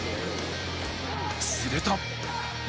すると。